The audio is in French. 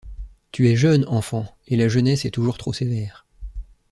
Tu es jeune, enfant, et la jeunesse est toujours trop sévère.